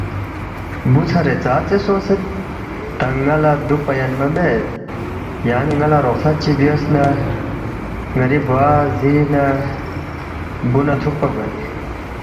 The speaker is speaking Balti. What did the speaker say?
بُو ژھرے ژاژے سونگسید؟ تا ن٘ا لہ دُوکپا یَنما مید یان٘ی ن٘ا لہ رخصت چی بیاس نہ ن٘ری بوا زی نہ بُو نہ تُھوکپا گوید